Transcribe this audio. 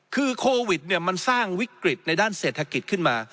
คือโควิดมันสร้างวิกฤตในด้านเศรษฐกิจขึ้นมา